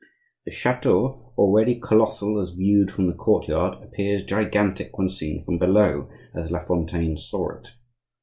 The chateau, already colossal as viewed from the courtyard, appears gigantic when seen from below, as La Fontaine saw it.